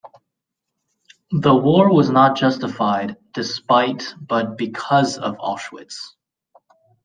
The war was not justified "despite but because of Auschwitz".